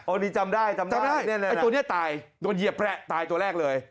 อันนี้จำได้จำได้จำได้ไอ้ตัวนี้ตายโดนเหยียบแหละตายตัวแรกเลย